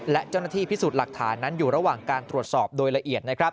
และเจ้าหน้าที่พิสูจน์หลักฐานนั้นอยู่ระหว่างการตรวจสอบโดยละเอียดนะครับ